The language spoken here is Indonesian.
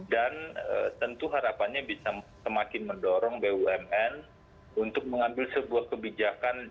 dan tentu harapannya bisa semakin mendorong bumn untuk mengambil sebuah kebijakan